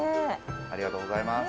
ありがとうございます。